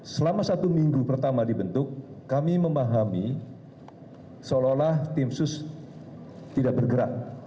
selama satu minggu pertama dibentuk kami memahami seolah olah tim sus tidak bergerak